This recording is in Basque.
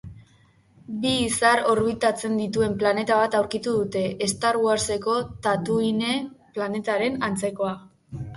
Bi. izar orbitatzen dituen planeta bat aurkitu dute, ‘Star Wars’eko ‘Tatooine’ planetaren antzekoa